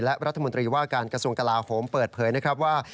และรัฐมนตรีว่าการกระทรวงกลาโหมเปิดเผยนะครับว่า